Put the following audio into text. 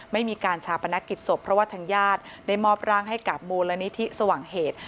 ไม่มีการชาปนกิจศพเพราะว่าทางญาติได้มอบร่างให้กับมูลนิธิสว่างเหตุ